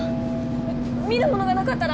見るものがなかったら？